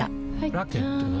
ラケットは？